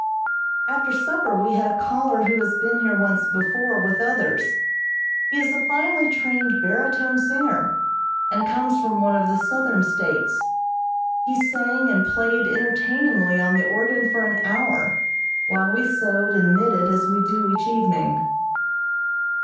After supper we had a caller who has been here once before with others. He is a finely trained baritone singer, and comes from one of the Southern States. He sang and played entertainingly on the organ for an hour, while we sewed and knitted as we do each evening.